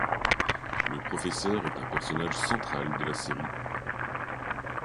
Le professeur est un personnage central de la série.